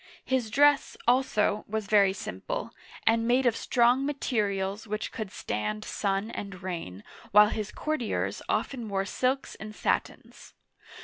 His dress, also, was very simple, and made of strong ma terials which could stand sun and rain, while his courtiers often wore silks and satins.